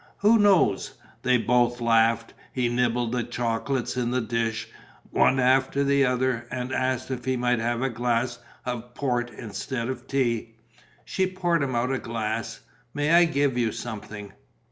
"Who knows!" They both laughed. He nibbled the chocolates in the dish, one after the other, and asked if he might have a glass of port instead of tea. She poured him out a glass. "May I give you something?"